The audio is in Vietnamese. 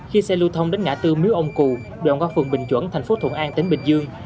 khi xe lưu thông đến ngã tư mỹ ông cù đoạn qua phường bình chuẩn thành phố thuận an tỉnh bình dương